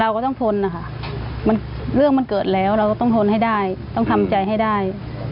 ก็ต้องทนนะคะเรื่องมันเกิดแล้วเราก็ต้องทนให้ได้ต้องทำใจให้ได้